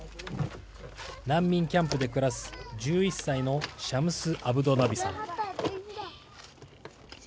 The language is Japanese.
難民キャンプで暮らす１１歳のシャムス・アブドナビさん。